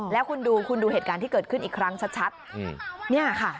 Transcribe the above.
แล้วคุณดูคุณดูเหตุการณ์ที่เกิดขึ้นอีกครั้งชัดเนี่ยค่ะ